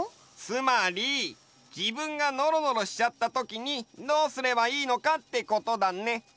つまり自分がのろのろしちゃったときにどうすればいいのかってことだね。